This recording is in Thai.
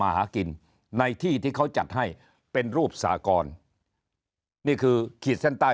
หากินในที่ที่เขาจัดให้เป็นรูปสากรนี่คือขีดเส้นใต้